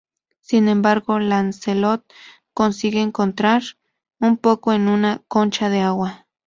Sin embargo Lancelot consigue encontrar un poco en una concha de agua.